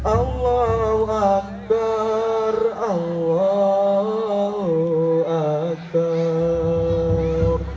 allahu akbar allahu akbar